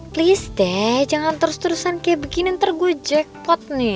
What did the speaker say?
please deh jangan terus terusan kayak begini ntar gojek pot nih